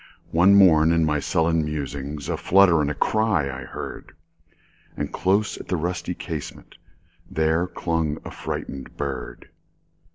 One morn, in my sullen musings,A flutter and cry I heard; And close at the rusty casementThere clung a frightened bird.